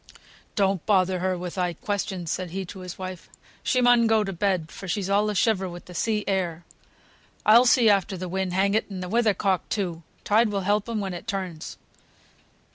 "Don't bother her with thy questions," said he to his wife. "She mun go to bed, for she's all in a shiver with the sea air. I'll see after the wind, hang it, and the weather cock, too. Tide will help 'em when it turns."